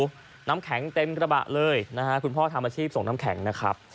น้ำแข็งเต็มกระบะเลยนะฮะคุณพ่อทำอาชีพส่งน้ำแข็งนะครับ